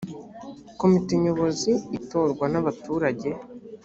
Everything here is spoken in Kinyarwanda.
komite nyobozi itorwa nabaturage.